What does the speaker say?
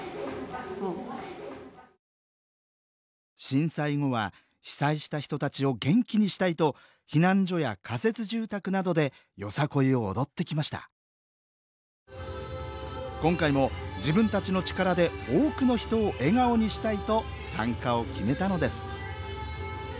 震災後は被災した人たちを元気にしたいと今回も自分たちの力で多くの人を笑顔にしたいと参加を決めたのです